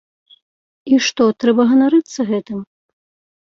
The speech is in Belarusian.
І што, трэба ганарыцца гэтым?